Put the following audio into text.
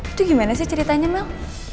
itu gimana sih ceritanya mang